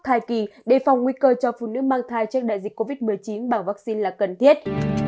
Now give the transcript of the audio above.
thai kỳ đề phòng nguy cơ cho phụ nữ mang thai trước đại dịch covid một mươi chín bằng vaccine là cần thiết